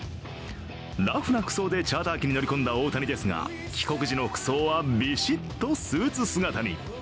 ラフな服装でチャーター機に乗り込んだ大谷ですが帰国時の服装はビシッとスーツ姿に。